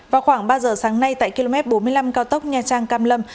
vào khoảng ba giờ sáng nay tại km bốn mươi năm cao tốc nha trang cam lâm